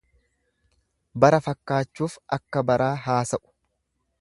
Bara fakkaachuuf akka baraa haasa'u.